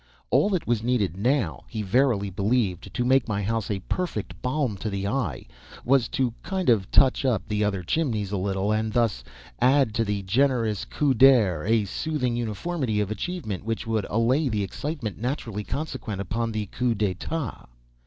All that was needed now, he verily believed, to make my house a perfect balm to the eye, was to kind of touch up the other chimneys a little, and thus "add to the generous 'coup d'oeil' a soothing uniformity of achievement which would allay the excitement naturally consequent upon the 'coup d'etat.'"